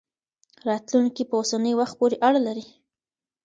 راتلونکی په اوسني وخت پورې اړه لري.